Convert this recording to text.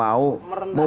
itu salah besar lah